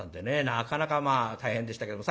なかなかまあ大変でしたけれども。